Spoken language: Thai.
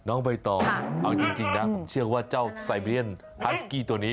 น้องใบตองเอาจริงนะผมเชื่อว่าเจ้าไซเบียนไฮสกี้ตัวนี้